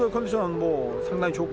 kondisi indonesia sangat baik